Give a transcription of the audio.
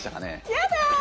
やだ！